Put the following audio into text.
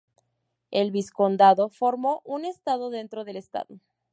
El vizcondado formó un Estado dentro del Estado.